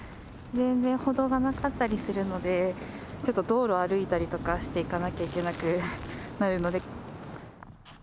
全然歩道がなかったりするので、ちょっと道路歩いたりとかしていかなきゃいけなくなるので。